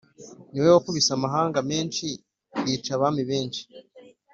Ni we wakubise amahanga menshi yica abami benshi